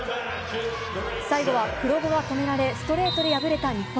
最後は黒後は止められ、ストレートで敗れた日本。